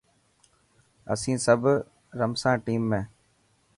اسين سب رمسان ٽيم ۾.